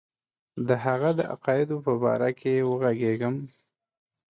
د هغه د عقایدو په باره کې وږغېږم.